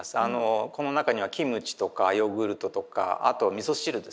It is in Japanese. この中にはキムチとかヨーグルトとかあとみそ汁ですね。